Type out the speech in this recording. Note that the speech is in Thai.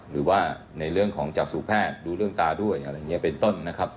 หรือว่าในเรื่องของจากสู่แพทย์ดูเรื่องตาด้วยอะไรอย่างนี้เป็นต้นนะครับ